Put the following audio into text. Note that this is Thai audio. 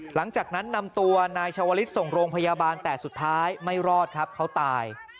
หลังจากนั้นนำตัวนายชาวลิศส่งโรงพยาบาลแต่สุดท้ายไม่รอดครับเขาตาย